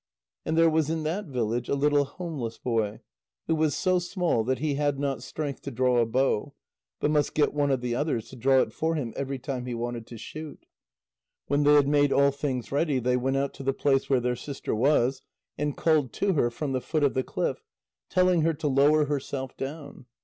And there was in that village a little homeless boy, who was so small that he had not strength to draw a bow, but must get one of the others to draw it for him every time he wanted to shoot. When they had made all things ready, they went out to the place where their sister was, and called to her from the foot of the cliff, telling her to lower herself down.